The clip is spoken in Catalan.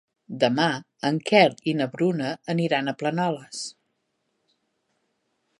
Demà en Quel i na Bruna aniran a Planoles.